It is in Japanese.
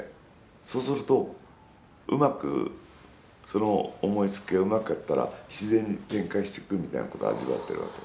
そうすると、うまくその思いつきがうまかったら自然に展開していくみたいなことを味わってるわけ。